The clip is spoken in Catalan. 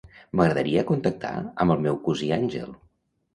M'agradaria contactar amb el meu cosí Àngel.